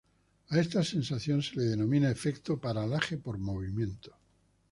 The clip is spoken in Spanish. A esta sensación se le denomina efecto "paralaje por movimiento".